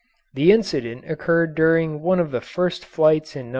This incident occurred during one of the first flights in No.